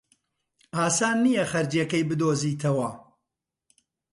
ئاسان نییە خەرجییەکەی بدۆزیتەوە.